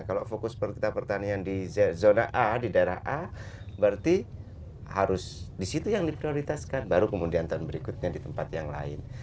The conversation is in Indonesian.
kalau fokus pertanian di zona a di daerah a berarti harus di situ yang di prioritaskan baru kemudian tahun berikutnya di tempat yang lain